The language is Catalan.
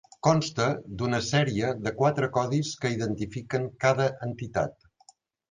Consta d'una sèrie de quatre codis que identifiquen cada entitat.